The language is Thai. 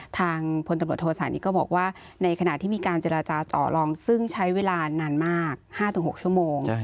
ทางพลตำรวจโทษานิทก็บอกว่าในขณะที่มีการเจรจาต่อลองซึ่งใช้เวลานานมาก๕๖ชั่วโมง